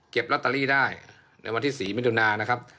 ลอตเตอรี่ได้ในวันที่๔มิถุนานะครับ